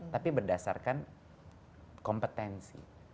tapi berdasarkan kompetensi